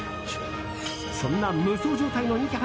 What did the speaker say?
そんな無双状態の人気